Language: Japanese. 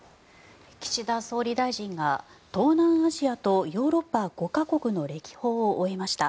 岸田総理大臣が東南アジアとヨーロッパ５か国の歴訪を終えました。